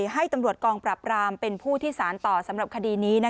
ให้ตำรวจกองปรับรามเป็นผู้ที่สารต่อสำหรับคดีนี้